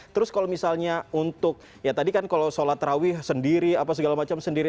terus kalau misalnya untuk ya tadi kan kalau sholat rawih sendiri apa segala macam sendiri